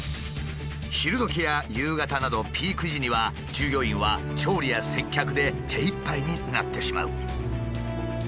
昼時や夕方などピーク時には従業員は調理や接客で手いっぱいになってしまう。